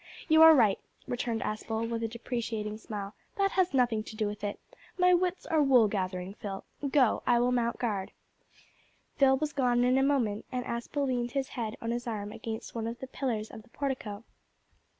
"You are right," returned Aspel, with a deprecating smile, "that has nothing to do with it. My wits are wool gathering, Phil. Go: I will mount guard." Phil was gone in a moment, and Aspel leaned his head on his arm against one of the pillars of the portico.